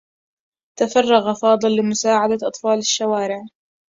تفرّغ فاضل لمساعدة أطفال الشّوارع.